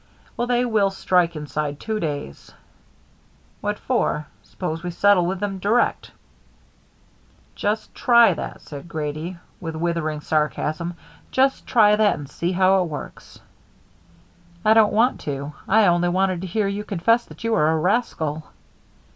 "Well, they will strike inside two days." "What for? Suppose we settle with them direct." "Just try that," said Grady, with withering sarcasm. "Just try that and see how it works." "I don't want to. I only wanted to hear you confess that you are a rascal."